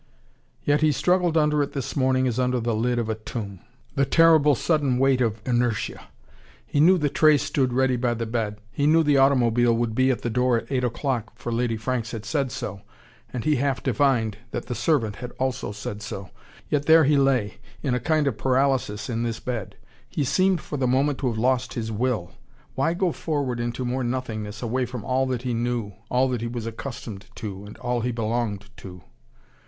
Yet he struggled under it this morning as under the lid of a tomb. The terrible sudden weight of inertia! He knew the tray stood ready by the bed: he knew the automobile would be at the door at eight o'clock, for Lady Franks had said so, and he half divined that the servant had also said so: yet there he lay, in a kind of paralysis in this bed. He seemed for the moment to have lost his will. Why go forward into more nothingness, away from all that he knew, all he was accustomed to and all he belonged to?